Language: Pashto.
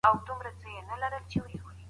د هغه په وخت کي علم او هنر ډېر پرمختګ وکړ.